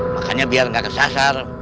makanya biar gak kesasar